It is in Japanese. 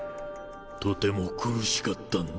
とても苦しかったんだ。